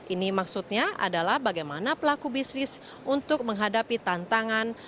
ini maksudnya adalah bagaimana pelaku bisnis untuk menghadapi tantangan